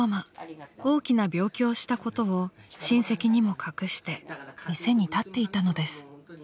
大きな病気をしたことを親戚にも隠して店に立っていたのです］